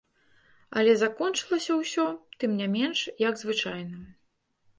Але закончылася ўсё, тым не менш, як звычайна.